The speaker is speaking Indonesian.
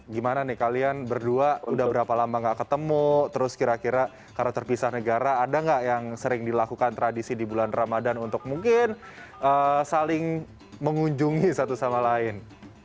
gimana nih kalian berdua udah berapa lama gak ketemu terus kira kira karena terpisah negara ada nggak yang sering dilakukan tradisi di bulan ramadan untuk mungkin saling mengunjungi satu sama lain